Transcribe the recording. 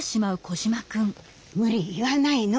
無理言わないの。